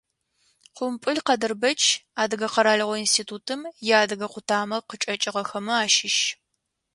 Къумпӏыл Къадырбэч, Адыгэ къэралыгъо институтым иадыгэ къутамэ къычӏэкӏыгъэхэмэ ащыщ.